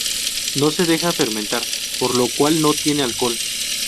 No se deja fermentar, por lo cual no tiene alcohol.